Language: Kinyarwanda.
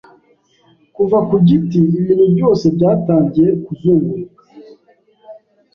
kuva ku giti ibintubyose byatangiye kuzunguruka